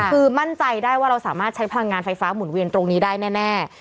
คือมั่นใจได้ว่าเราสามารถใช้พลังงานไฟฟ้าหมุนเวียนตรงนี้ได้แน่